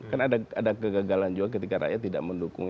kan ada kegagalan juga ketika rakyat tidak mendukung